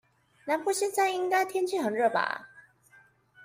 南部現在應該天氣很熱吧？